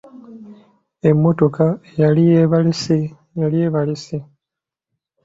Emmotoka eyali ebaleese yali ebalesse.